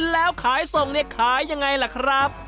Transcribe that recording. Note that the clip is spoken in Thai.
แล้วขายส่งเนี่ยขายยังไงล่ะครับ